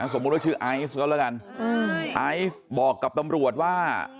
สมมุติว่าชื่อไอซ์ก็แล้วกันไอซ์บอกกับตำรวจว่า